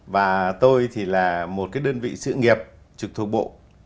và tôi thì là một cái đơn vị sự nghiệp trực thuộc bộ